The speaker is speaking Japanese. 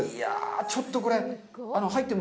ちょっとこれ、入っても。